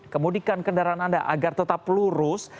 kemudikan kendaraan anda agar tetap lurus